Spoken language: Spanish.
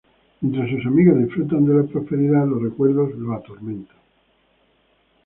Mientras sus amigos disfrutan de la prosperidad, los recuerdos lo atormentan.